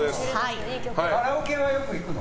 カラオケはよく行くの？